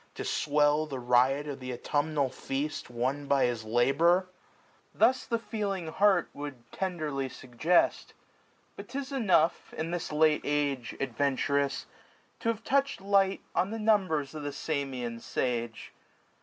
To swell the riot of th' autumnal feast. Won by his labour ? Thus the feeling heart Would tenderly suggest : But 'tis enough, 370 In this late age, adventurous, to have touch'd Light on the mmibers of the Samian sage.